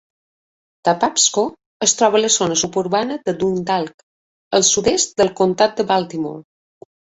Patapsco es troba a la zona suburbana de Dundalk, al sud-est del comtat de Baltimore.